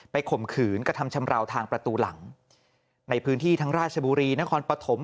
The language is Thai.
ข่มขืนกระทำชำราวทางประตูหลังในพื้นที่ทั้งราชบุรีนครปฐม